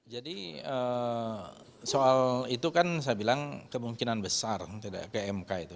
jadi soal itu kan saya bilang kemungkinan besar tidak ke mk itu